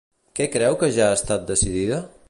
Què creu que ja ha estat decidida?